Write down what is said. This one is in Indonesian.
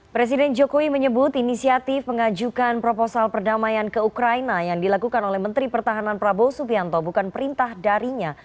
presiden jokowi menyebut inisiatif mengajukan proposal perdamaian ke ukraina yang dilakukan oleh menteri pertahanan prabowo subianto bukan perintah darinya